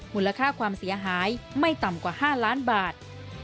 มูลค่าความเสียหายไม่ต่ำกว่า๕ล้านบาท